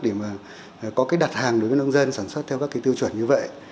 để mà có cái đặt hàng đối với nông dân sản xuất theo các cái tiêu chuẩn như vậy